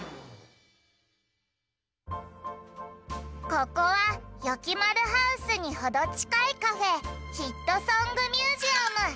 ここはよきまるハウスにほどちかいカフェ「ヒットソング・ミュージアム」。